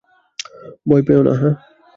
ভয় পেও না, হ্যাঁ।